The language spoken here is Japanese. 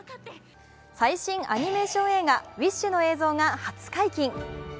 最新アニメーション映画「ウィッシュ」の映像が初解禁。